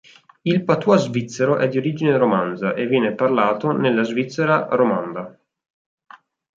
Il patois svizzero è di origine romanza e viene parlato nella Svizzera romanda.